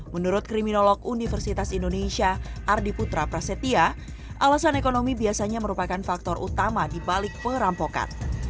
menurut kriminolog universitas indonesia ardi putra prasetya alasan ekonomi biasanya merupakan faktor utama di balik perampokan